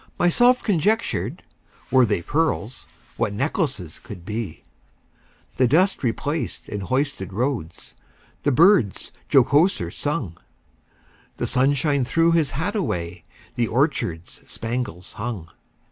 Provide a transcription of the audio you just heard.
Myself conjectured, Were they pearls, What necklaces could be! The dust replaced in hoisted roads, The birds jocoser sung; The sunshine threw his hat away, The orchards spangles hung.